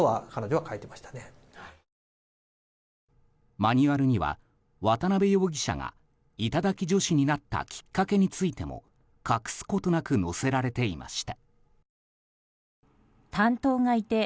マニュアルには渡邊容疑者が頂き女子になったきっかけについても隠すことなく載せられていました。